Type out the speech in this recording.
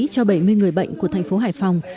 cho bảy mươi người bệnh của thành phố hải phòng